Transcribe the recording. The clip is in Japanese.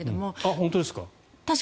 本当ですか？